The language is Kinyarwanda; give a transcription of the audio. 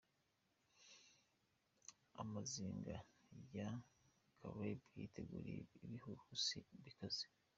Amazinga ya Caraibe yiteguriye igihuhusi gikaze.